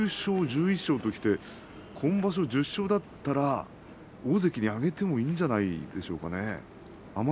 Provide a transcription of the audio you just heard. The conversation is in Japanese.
９勝、１１勝ときて今場所１０勝だったら大関に上げてもいいんじゃないでしょうかね。